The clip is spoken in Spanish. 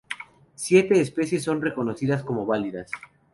Siete especies son reconocidas como válidas.